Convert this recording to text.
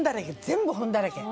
全部本だらけ。